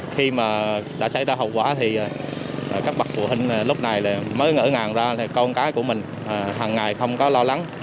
khi mà đã xảy ra hậu quả thì các bậc phụ huynh lúc này mới ngỡ ngàng ra là con cái của mình hằng ngày không có lo lắng